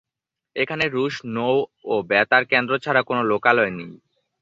এখানে রুশ নৌ ও বেতার কেন্দ্র ছাড়া কোন লোকালয় নেই।